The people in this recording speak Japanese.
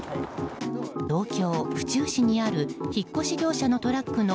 東京・府中市にある引っ越し業者のトラックの